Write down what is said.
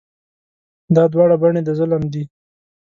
دا دواړه بڼې د ظلم دي.